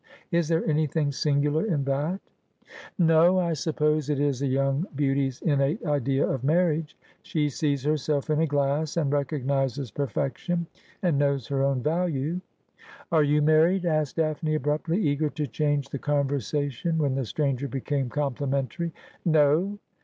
Is there anything singular in that ?'' No ; I suppose it is a young beauty's innate idea of mar riage. She sees herself in a glass, and recognises perfection, and knows her own value.' ' Are you married ?' asked Daphne abruptly, eager to change the conversation when the stranger became complimentary. 'No.'